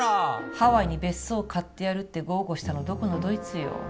ハワイに別荘買ってやるって豪語したのどこのどいつよ？